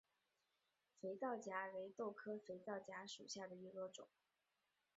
肥皂荚为豆科肥皂荚属下的一个种。